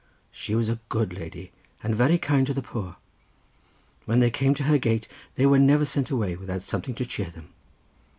She was a good lady, and very kind to the poor; when they came to her gate they were never sent away without something to cheer them.